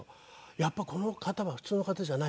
やっぱこの方は普通の方じゃないと。